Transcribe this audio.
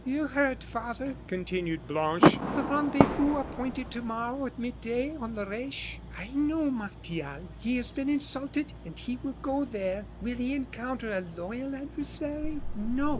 "You heard, father," continued Blanche, "the rendezvous appointed to morrow, at mid day, on the Reche. I know Martial; he has been insulted, and he will go there. Will he encounter a loyal adversary? No.